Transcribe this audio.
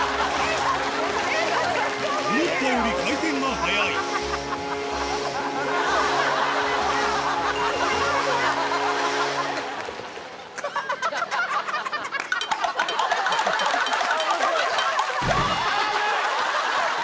思ったより回転が速い危ない！